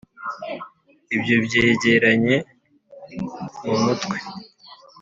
ibyo byegeranye mu mutwe.